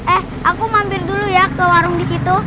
eh aku mampir dulu ya ke warung di situ